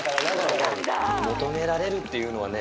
求められるっていうのはね、